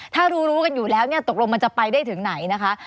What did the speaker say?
ถ้ารู้รู้กันอยู่แล้วเนี่ยตกลงมันจะไปได้ถึงไหนนะคะ